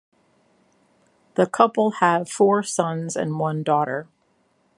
The couple have four sons and one daughter.